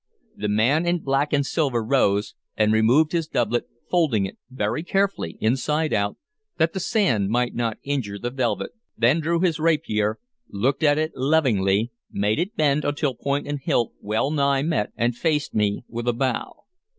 The man in black and silver rose and removed his doublet, folding it very carefully, inside out, that the sand might not injure the velvet, then drew his rapier, looked at it lovingly, made it bend until point and hilt well nigh met, and faced me with a bow.